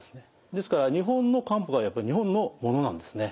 ですから日本の漢方がやっぱり日本のものなんですね。